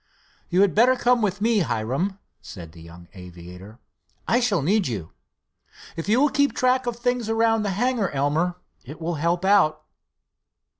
"You had better come with me, Hiram," said the young aviator; "I shall need you. If you will keep track of things around the hangar, Elmer, it will help out."